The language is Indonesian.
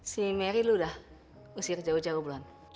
si meri lo udah usir jauh jauh blan